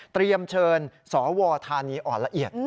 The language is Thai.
เตรียมเชิญสวธานีอ่อนละเอียด